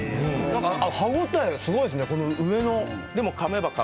歯応えがすごいですね。